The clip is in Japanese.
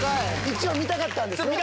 一応見たかったんですね。